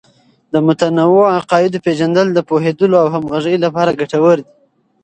د متنوع عقایدو پیژندل د پوهیدلو او همغږۍ لپاره ګټور دی.